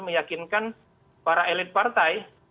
meyakinkan para elit partai